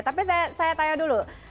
tapi saya tanya dulu